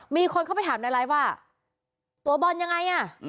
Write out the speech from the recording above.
มีคนเข้าไปถามในไลฟ์ว่าตัวบอลยังไงอ่ะ